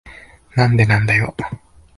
なんでなんだよ。